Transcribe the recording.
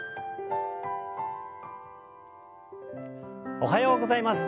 おはようございます。